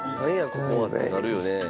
ここは」ってなるよね。